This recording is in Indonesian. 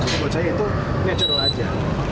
menurut saya itu ini acara wajar